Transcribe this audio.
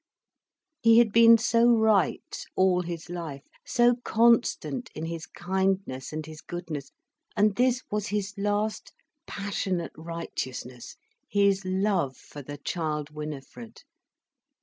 He had been so right all his life, so constant in his kindness and his goodness. And this was his last passionate righteousness, his love for the child Winifred.